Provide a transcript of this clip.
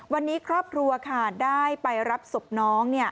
วันนี้ครอบครัวค่ะได้ไปรับศพน้อง